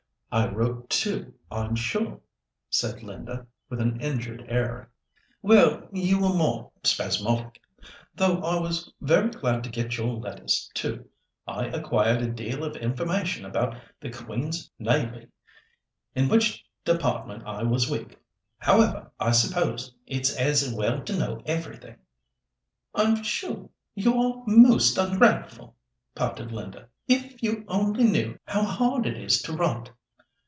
"I wrote too, I'm sure," said Linda, with an injured air. "Well, you were more spasmodic. Though I was very glad to get your letters too. I acquired a deal of information about the 'Queen's Navee,' in which department I was weak. However, I suppose it's as well to know everything." "I'm sure you are most ungrateful," pouted Linda, "If you only knew how hard it is to write!"